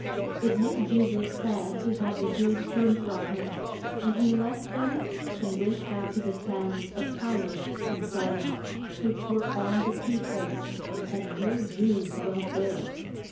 It made Je sus sad to have the Jews turn from him, and he left them, and went out to the towns of Tyre and Si don, which were on the sea coast. And no Jews dwelt there.